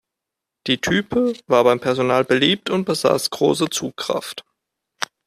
Die Type war beim Personal beliebt und besaß große Zugkraft.